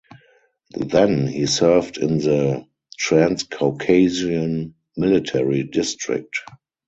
Then he served in the Transcaucasian Military District.